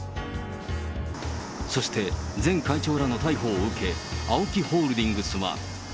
そして、前会長らの逮捕を受け、ＡＯＫＩホールディングスは。